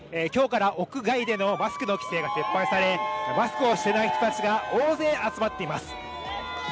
今日から屋外でのマスクの規制が撤廃されマスクをしていない人たちが大勢集まっています。